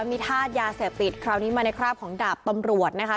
มีธาตุยาเสพติดคราวนี้มาในคราบของดาบตำรวจนะคะ